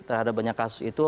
terhadap banyak kasus itu